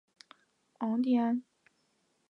昂蒂安。